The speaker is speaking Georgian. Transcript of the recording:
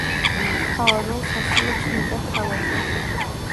მთავარ როლს ასრულებს ნიკა თავაძე.